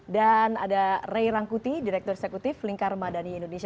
dan ada ray rangkuti direktur eksekutif lingkar madani indonesia